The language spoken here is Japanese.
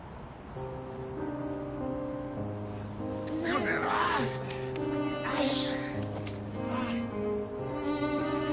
よし。